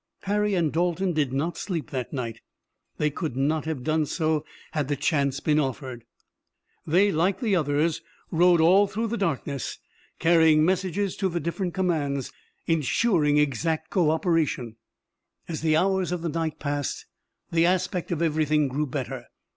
Harry and Dalton did not sleep that night. They could not have done so had the chance been offered. They like others rode all through the darkness carrying messages to the different commands, insuring exact cooperation. As the hours of the night passed the aspect of everything grew better.